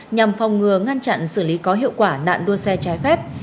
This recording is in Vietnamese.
nhằm phòng ngừa ngăn chặn xử lý có hiệu quả nạn đua xe trái phép